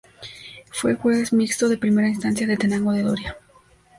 Fue Juez mixto de Primera Instancia en Tenango de Doria.